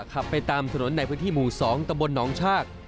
ขับไปตามถนนในพื้นที่หมู่๒ตำบลหนองชาก